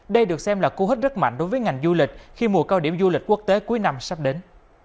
đây được xem là cú hít rất mạnh đối với ngành du lịch khi mùa cao điểm du lịch quốc tế cuối năm sắp đến